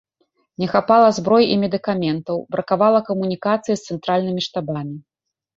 Не хапала зброі і медыкаментаў, бракавала камунікацыі з цэнтральнымі штабамі.